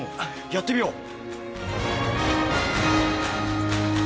やってみよう！